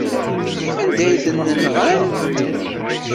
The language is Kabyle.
Anda ay ten-nɣant?